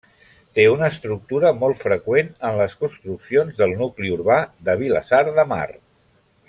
Té una estructura molt freqüent en les construccions del nucli urbà de Vilassar de Mar.